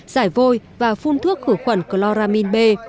giải vôi và phun thuốc khử khuẩn cloramin b